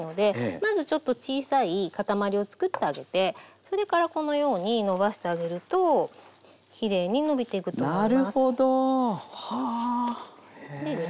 まずちょっと小さい塊をつくってあげてそれからこのようにのばしてあげるときれいにのびていくと思います。